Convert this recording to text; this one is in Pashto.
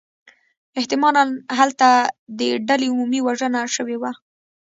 احتمالاً هلته د ډلې عمومی وژنه شوې وه.